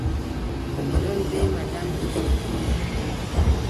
Mi ɗon bee madame dofta feere.